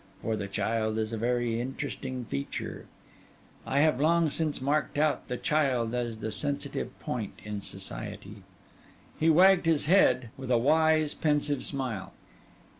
For the child is a very interesting feature: I have long since marked out the child as the sensitive point in society.' He wagged his head, with a wise, pensive smile.